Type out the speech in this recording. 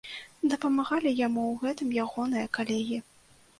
Дапамагалі яму ў гэтым ягоныя калегі.